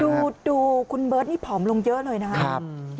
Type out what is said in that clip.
ดูคุณเบิร์ตนี่ผอมลงเยอะเลยนะครับ